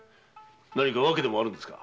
何か訳でもあるんですか？